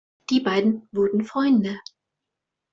Die beiden wurden Freunde.